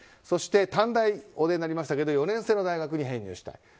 そして短大をお出になりましたが４年制の大学に編入したい。